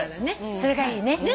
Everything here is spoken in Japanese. それがいいね。